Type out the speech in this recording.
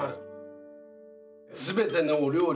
全てのお料理